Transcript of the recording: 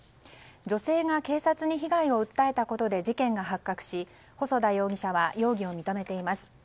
女性が警察に被害を訴えたことで事件が発覚し、細田容疑者は容疑を認めています。